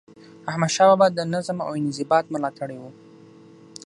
احمدشاه بابا د نظم او انضباط ملاتړی و.